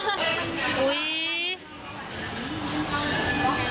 เหลียวออกไว้